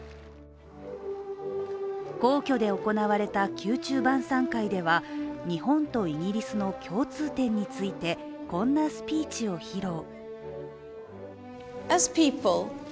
皇居で行われた宮中晩さん会では日本とイギリスの共通点についてこんなスピーチを披露。